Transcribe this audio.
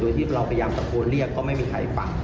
โดยที่เราพยายามตะโกนเรียกก็ไม่มีใครปัก